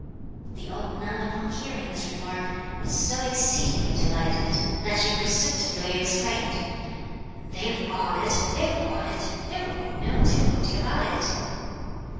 The old nun upon hearing this remark was so exceedingly delighted, that she precipitately exclaimed, "They've got it, they've got it! there will be no difficulty about it."